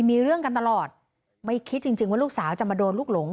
มีเรื่องกันตลอดไม่คิดจริงจริงว่าลูกสาวจะมาโดนลูกหลง